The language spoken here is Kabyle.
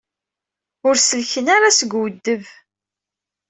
Ur sellken ara seg uweddeb.